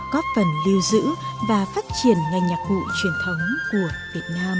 góp phần lưu giữ và phát triển ngành nhạc cụ truyền thống của việt nam